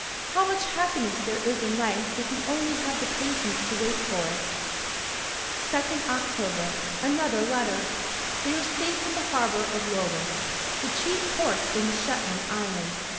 how much happiness there is in life if we only have the patience to wait for it. "2d October. Another letter. They are safe in the harbor of Lerwick, the chief port in the Shetland Islands.